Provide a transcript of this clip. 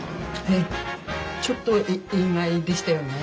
えっちょっと意外でしたよね。